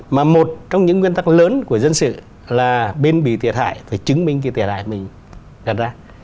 mà một trong những nguyên tắc lớn của dân sự là bên bị thiệt hại phải chứng minh cái thiệt hại mình đặt ra